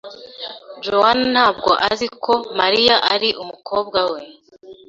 Juan ntabwo azi ko Maria ari umukobwa we.